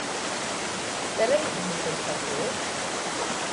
Zer egiten dute elkarteek?